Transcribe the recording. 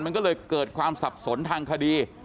มันก็เลยเกิดความสับสนทางคดี